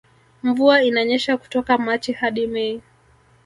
Mvua inanyesha kutoka machi hadi mei